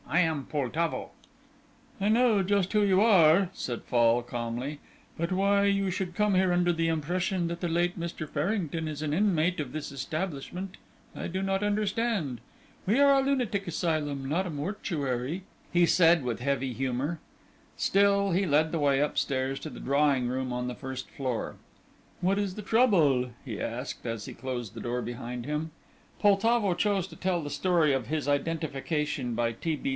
I am Poltavo." "I know just who you are," said Fall, calmly, "but why you should come here under the impression that the late Mr. Farrington is an inmate of this establishment I do not understand. We are a lunatic asylum, not a mortuary," he said, with heavy humour. Still, he led the way upstairs to the drawing room on the first floor. "What is the trouble?" he asked, as he closed the door behind him. Poltavo chose to tell the story of his identification by T. B.